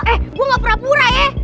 eh gue gak pura pura ya